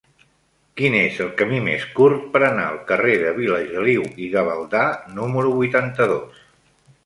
Quin és el camí més curt per anar al carrer de Vilageliu i Gavaldà número vuitanta-dos?